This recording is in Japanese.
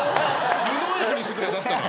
無農薬にしてくれだったら。